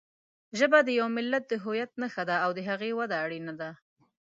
ژبه د یوه ملت د هویت نښه ده او د هغې وده اړینه ده.